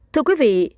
thưa quý vị